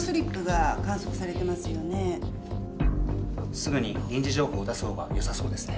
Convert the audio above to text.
すぐに臨時情報を出す方がよさそうですね。